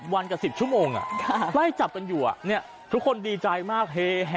๑๐วันกับเป็นมีความสุขนานอ่ะไว้จับกันอยู่ทุกคนดีใจมาก